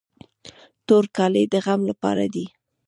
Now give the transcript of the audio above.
تور کالي د غم لپاره دي.